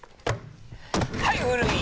はい古い！